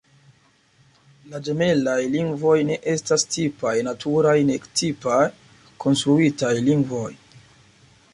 La ĝemelaj lingvoj ne estas tipaj naturaj nek tipaj konstruitaj lingvoj.